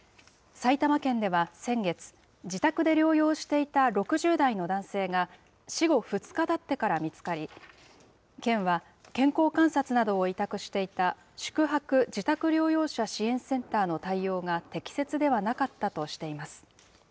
埼玉県では先月、自宅で療養していた６０代の男性が、死後２日たってから見つかり、県は健康観察などを委託していた、宿泊・自宅療養者支援センターの対応が適切ではなかったとしています。